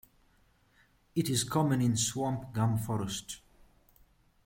It is common in swamp gum forest.